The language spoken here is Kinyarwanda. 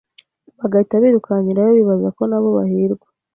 bagahita birukankirayo bibaza ko nabo bahirwa